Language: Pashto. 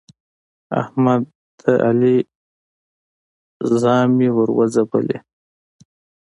احمد د علي ژامې ور وځبلې.